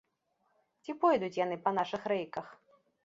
Ці пойдуць яны па нашых рэйках?